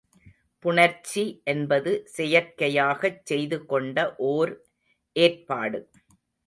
புணர்ச்சி என்பது செயற்கையாகச் செய்து கொண்ட ஓர் ஏற்பாடு.